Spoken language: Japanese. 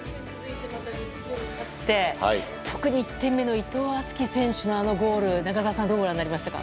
特に１点目の伊藤敦樹選手のあのゴール、中澤さん、どうご覧になりましたか。